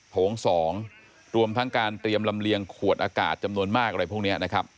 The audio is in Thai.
โถง๒รวมทั้งการเตรียมลำเลียงขวดอากาศจำนวนมากอะไรพวกนี้นะครับ